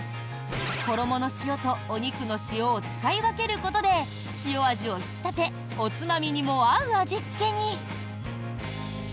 衣の塩と、お肉の塩を使い分けることで塩味を引き立ておつまみにも合う味付けに。